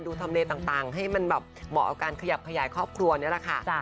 ทำเลต่างให้มันแบบเหมาะกับการขยับขยายครอบครัวนี่แหละค่ะ